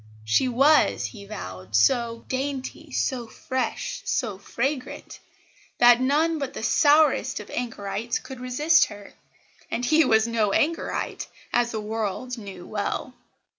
She was, he vowed, so "dainty, so fresh, so fragrant," that none but the sourest of anchorites could resist her and he was no anchorite, as the world knew well.